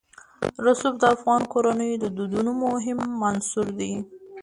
رسوب د افغان کورنیو د دودونو مهم عنصر دی.